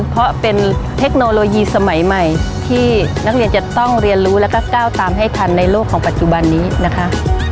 เพราะเป็นเทคโนโลยีสมัยใหม่ที่นักเรียนจะต้องเรียนรู้แล้วก็ก้าวตามให้ทันในโลกของปัจจุบันนี้นะคะ